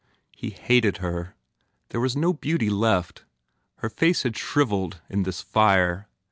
He hated her. There was no beauty left. Her face had shrivelled in this fire.